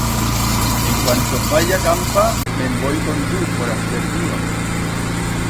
En cuanto faya campa me'n voi con tu, foraster mío.